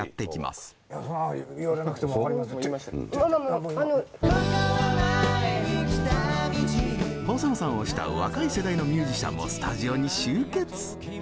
細野さんを慕う若い世代のミュージシャンもスタジオに集結。